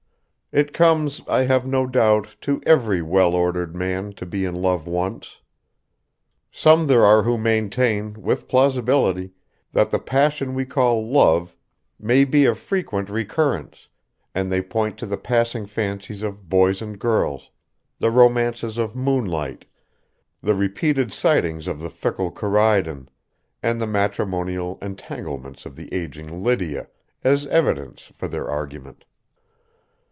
It comes, I have no doubt, to every well ordered man to be in love once. Some there are who maintain, with plausibility, that the passion we call love may be of frequent recurrence, and they point to the passing fancies of boys and girls, the romances of moonlight, the repeated sighings of the fickle Corydon, and the matrimonial entanglements of the aging Lydia, as evidence for their argument.